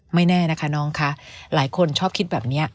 ไม่แน่นะคะน้องคะหลายคนชอบคิดแบบนี้